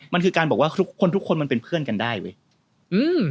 มันคือการบอกว่าทุกคนทุกคนมันเป็นเพื่อนกันได้เว้ยอืม